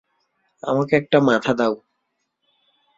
আমাকে একটা মাথা দাও!